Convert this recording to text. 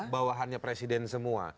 bawahannya presiden semua